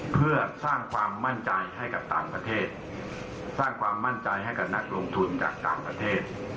เพื่อสร้างความมั่นใจให้กับต่างประเทศสร้างความมั่นใจให้กับนักลงทุนจากต่างประเทศ